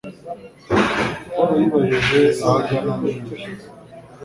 Paul yibajije aho agana nibi.